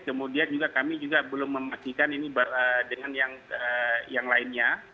kemudian juga kami juga belum memastikan ini dengan yang lainnya